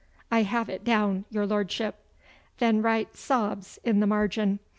'I have it down, your Lordship.' 'Then write "sobs" in the margin.